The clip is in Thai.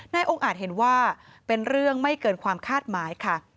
องค์อาจเห็นว่าเป็นเรื่องไม่เกินความคาดหมายค่ะ